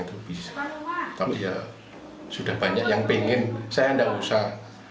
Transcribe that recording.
tapi ya sudah banyak yang pengen saya tidak usah